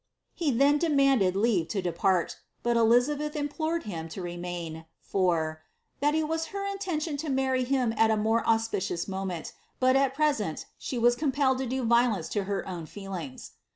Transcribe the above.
"^ He then demanded leave to depart, but Elizabeth implored him to re main, for ^ that it was her intention to marry him at a more auspicious moment, but, at present, she was compelled to do violence to her own feelings."